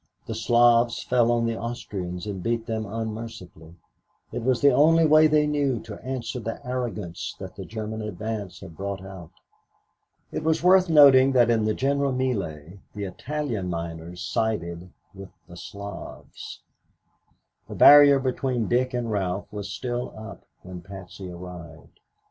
The Slavs fell on the Austrians and beat them unmercifully. It was the only way they knew to answer the arrogance that the German advance had brought out. It was worth noting that in the general mêlée the Italian miners sided with the Slavs. The barrier between Dick and Ralph was still up when Patsy arrived.